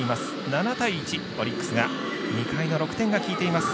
７対１、オリックスが２回の６点がきいています。